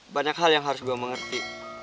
banyak hal yang harus gue mengerti